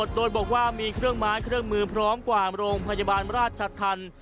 ตรวจโดยบอกว่ามีเครื่องม้านเครื่องมือพร้อมกว่าโมโลมพยาบาลราชชัดทัน